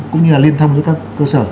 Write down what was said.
cũng như là liên thông với các cơ sở